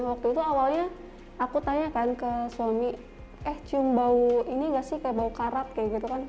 waktu itu awalnya aku tanya kan ke suami eh cium bau ini gak sih kayak bau karat kayak gitu kan